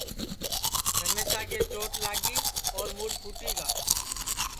رمیشا کے چوٹ لاگی اور مُڈؔ پُھٹی گا